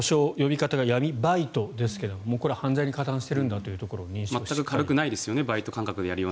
呼称、呼び方が闇バイトですがこれは犯罪に加担しているというところを認識して。